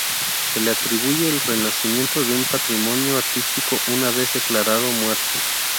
Se le atribuye el renacimiento de un patrimonio artístico una vez declarado muerto.